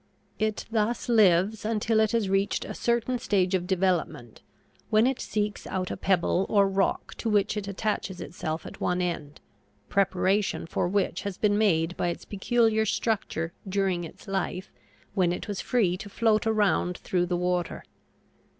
It thus lives until it has reached a certain stage of development, when it seeks out a pebble or rock, to which it attaches itself at one end preparation for which has been made by its peculiar structure during its life when it was free to float around through the water.